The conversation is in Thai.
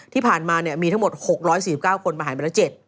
ที่ผ่านมามีทั้งหมด๖๔๙คนประหารไปแล้ว๗